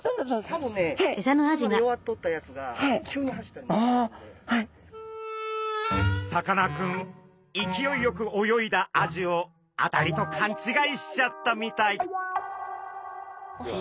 多分ねさかなクン勢いよく泳いだアジを当たりとかんちがいしちゃったみたい。